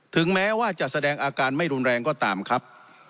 ถึงแม้ว่าจะแสดงอาการไม่รุนแรงก็ตามครับ